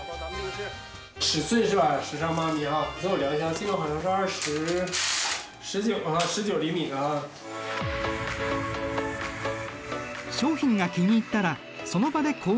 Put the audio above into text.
商品が気に入ったらその場で購入を決定。